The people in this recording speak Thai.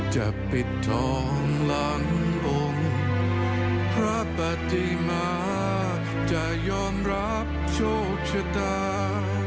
จะปิดทองหลังองค์พระปฏิมาจะยอมรับโชคชะตา